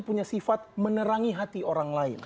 punya sifat menerangi hati orang lain